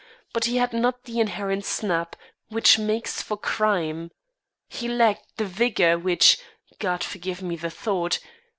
But he had not the inherent snap which makes for crime. He lacked the vigour which, God forgive me the thought!